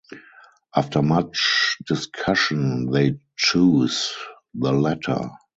After much discussion, they choose the latter.